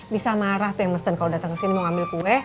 bisa marah tuh yang mesen kalo dateng kesini mau ambil kue